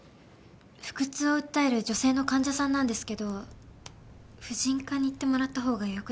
腹痛を訴える女性の患者さんなんですけど婦人科に行ってもらったほうがよくないですか？